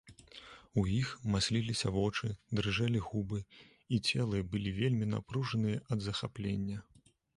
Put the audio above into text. У іх масліліся вочы, дрыжэлі губы, і целы былі вельмі напружаныя ад захаплення.